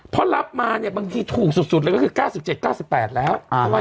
พอรับมาบางทีถูงสุดเลยก็คือ๙๗๙๘แล้ว